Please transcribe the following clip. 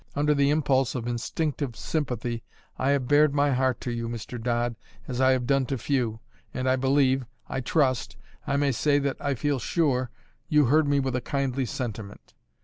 Under the impulse of instinctive sympathy, I have bared my heart to you, Mr. Dodd, as I have done to few; and I believe I trust I may say that I feel sure you heard me with a kindly sentiment.